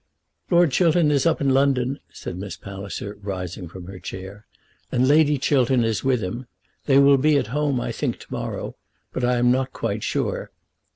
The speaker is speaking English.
"Lord Chiltern is up in London," said Miss Palliser, rising from her chair, "and Lady Chiltern is with him. They will be at home, I think, to morrow, but I am not quite sure."